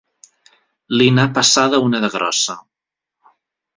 Li n'ha passada una de grossa.